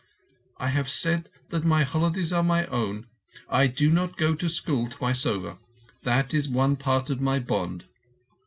"I have said that my holidays are my own. I do not go to school twice over. That is one part of my bond."